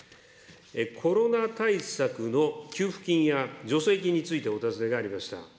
コロナ対策の給付金や助成金についてお尋ねがありました。